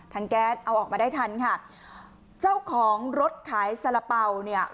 แก๊สเอาออกมาได้ทันค่ะเจ้าของรถขายสาระเป๋าเนี่ย